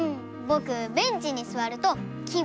ぼくベンチにすわるとき